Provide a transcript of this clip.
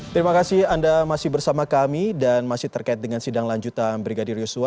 terima kasih anda masih bersama kami dan masih terkait dengan sidang lanjutan brigadir yosua